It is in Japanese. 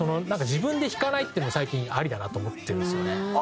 自分で弾かないっていうのも最近ありだなと思ってるんですよね。